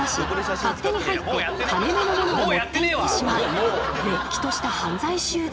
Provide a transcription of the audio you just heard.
勝手に入って金めのものを持って行ってしまうれっきとした犯罪集団。